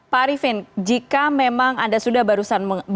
pak arifin jika memang anda sudah barusan